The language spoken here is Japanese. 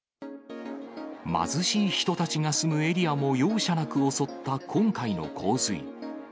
貧しい人たちが住むエリアも容赦なく襲った今回の洪水。